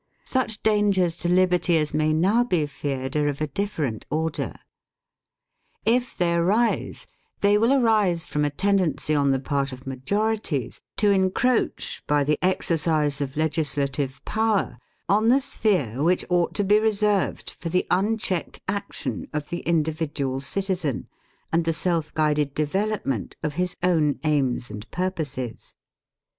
Such dangers to liberty as may now be feared are of a different order. If they arise, they will arise from a tendency on the part of majorities to encroach by the exercise of legislative power on the sphere which ought to be reserved for the unchecked action of the individual citizen and the self guided development of his own aims and purposes.